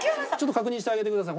確認してあげてください。